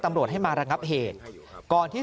ตำรวจให้มาระงับเหตุก่อนที่